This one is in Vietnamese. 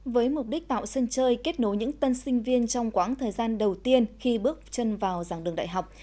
với mục đích tạo sân chơi kết nối những tân sinh viên trong quãng thời gian đầu tiên khi bước chân vào dàng đường đại học